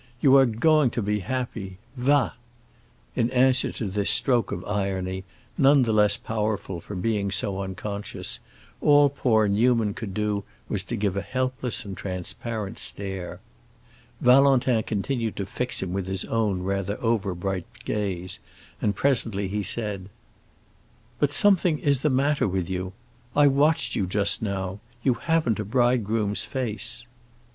"You are going to be happy—va!" In answer to this stroke of irony, none the less powerful for being so unconscious, all poor Newman could do was to give a helpless and transparent stare. Valentin continued to fix him with his own rather over bright gaze, and presently he said, "But something is the matter with you. I watched you just now; you haven't a bridegroom's face."